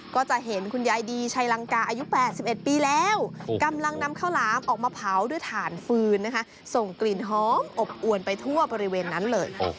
ก็จะเห็นคุณยายดีชัยลังกาอายุ๘๑ปีแล้วกำลังนำข้าวหลามออกมาเผาด้วยถ่านฟืนนะคะส่งกลิ่นหอมอบอวนไปทั่วบริเวณนั้นเลย